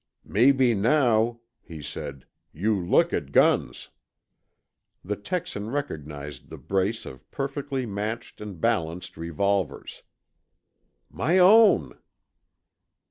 "Maybe now," he said, "you look at guns." The Texan recognized the brace of perfectly matched and balanced revolvers. "My own!"